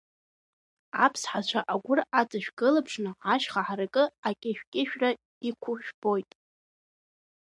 Аԥсҳацәа агәыр аҵа шәкылԥшны ашьха ҳаракы акьышә-кьышәра иқәу шәбоит.